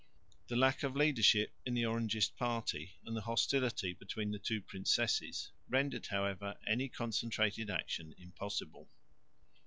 The lack of leadership in the Orangist party, and the hostility between the two princesses, rendered, however, any concentrated action impossible.